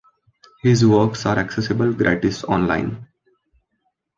His works are accessible gratis online.